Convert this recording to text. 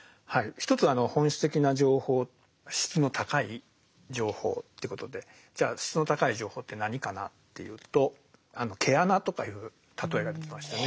一つは本質的な情報質の高い情報ってことでじゃあ質の高い情報って何かなっていうとあの「毛穴」とかいう例えが出てきましたね。